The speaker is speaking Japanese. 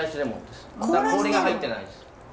だから氷が入ってないんです。